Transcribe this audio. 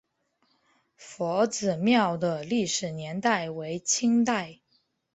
佛子庙的历史年代为清代。